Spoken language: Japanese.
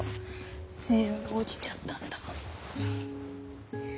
全部落ちちゃったんだもん。